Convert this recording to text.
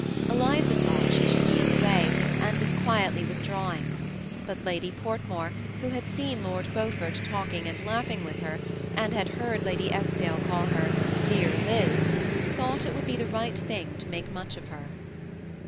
Eliza thought she should be in the way, and was quietly withdrawing, but Lady Portmore, who had seen Lord Beaufort talking and kuighii^ with her, and had heard Lady Eskdale call her '^Dear Liz," thought it would be the right thing to make much of her.